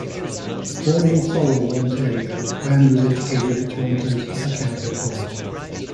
Born in Thorold, Ontario, Band was educated at Toronto's Upper Canada College.